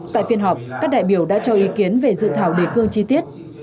tại phiên họp các đại biểu đã cho ý kiến về dự thảo đề cương chi tiết